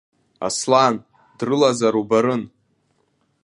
Аслан дрылазар убарын?